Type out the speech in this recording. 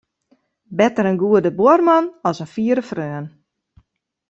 Better in goede buorman as in fiere freon.